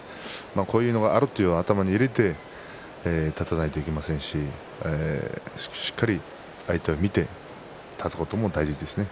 こういうことがあると思って立たなくてはいけませんししっかり相手を見て立つことも大事ですね。